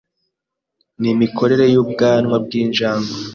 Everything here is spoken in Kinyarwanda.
n’imikorere y’ubwanwa bw’injangwe